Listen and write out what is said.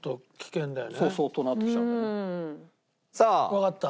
わかった。